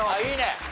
いいね。